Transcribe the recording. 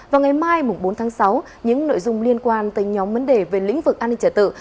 vào ngày mai bốn tháng sáu những nội dung liên quan tới nhóm vấn đề về lĩnh vực an ninh trả tự